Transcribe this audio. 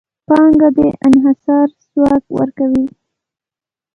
پانګه د انحصار ځواک ورکوي.